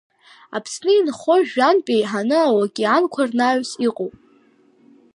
Аԥсны инхо жәантә еиҳаны аокеанқәа рнаҩсан иҟоуп.